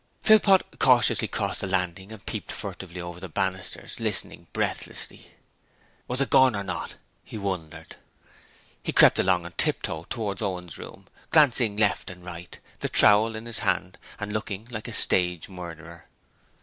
Philpot cautiously crossed the landing and peeped furtively over the banisters, listening breathlessly. 'Was it gorn or not?' he wondered. He crept along on tiptoe towards Owen's room, glancing left and right, the trowel in his hand, and looking like a stage murderer.